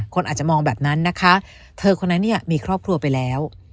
คนอาจจะมองแบบนั้นนะคะเธอคนนั้นเนี่ยมีครอบครัวไปแล้ว